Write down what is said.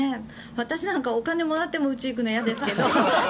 私なんかお金をもらっても宇宙に行くの嫌ですけど。